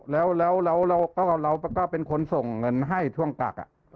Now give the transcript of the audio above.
แล้วเราก็เป็นคนส่งเงินให้ช่วงกัก